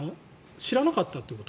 知らなかったということ？